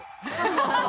ハハハハ！